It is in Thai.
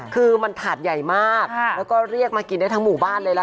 คือมันถาดใหญ่มากแล้วก็เรียกมากินได้ทั้งหมู่บ้านเลยล่ะ